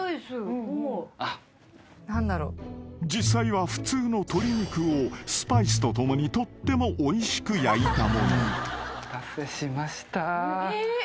［実際は普通の鶏肉をスパイスと共にとってもおいしく焼いたもの］お待たせしました。